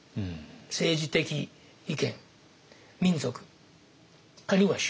政治的意見民族あるいは宗教など。